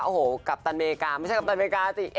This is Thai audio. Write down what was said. โอ้โหกัปตันอเมริกาไม่ใช่กัปตันอเมริกาสิ